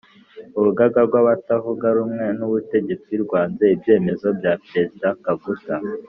urugaga rw’abatavuga rumwe n’ubutegetsi rwanze ibyemezo bya perezida kaguta